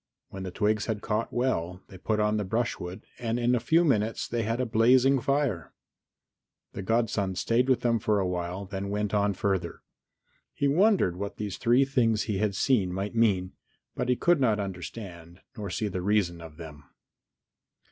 When the twigs had caught well, they put on the brushwood, and in a few minutes they had a blazing fire. The godson stayed with them for a while then went on further. He wondered what these three things he had seen might mean, but could not understand, nor see the reason of them.